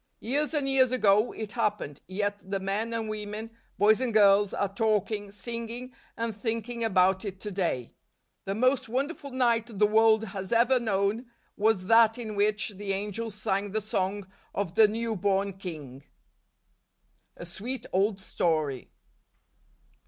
Years and years ago it happened, yet the men and women, boys and girls, are talking, singing and thinking about it to day. The most wonderful night the world has ever known, was that in which the angels sang the song of the new born king. A Sweet Old Story.